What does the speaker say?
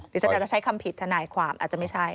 ฉันอาจจะใช้คำผิดทนายความอาจจะไม่ใช่